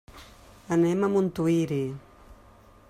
Anem a Montuïri.